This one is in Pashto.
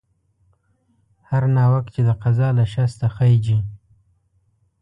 هر ناوک چې د قضا له شسته خېژي